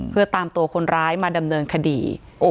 เพื่อตามตัวคนร้ายมาดำเนินคดี